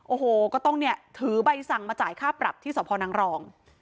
โอ้โหก็ต้องถือใบสั่งมาจ่ายค่าปรับที่สวทธิ์พอร์นางรอง